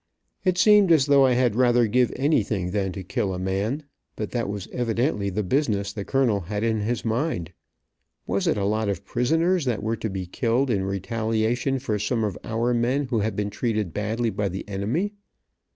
It seemed as though I had rather give anything than to kill a man, but that was evidently the business the colonel had in his mind. Was it a lot of prisoners that were to be killed in retaliation for some of our men who had been treated badly by the enemy.